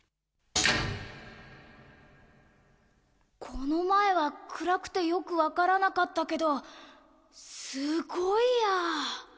このまえはくらくてよくわからなかったけどすごいや！